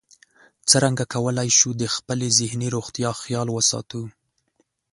څرنګه کولی شو د خپلې ذهني روغتیا خیال وساتو